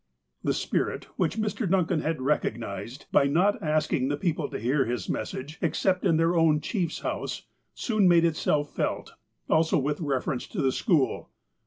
The spirit, which Mr. Duncan had recognized, by not asking the people to hear his message, except in their own chief's house, soon made itself felt, also with reference to the school.